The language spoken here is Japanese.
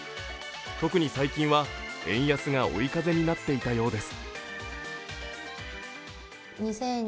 特に最近は円安が追い風になっていたようです。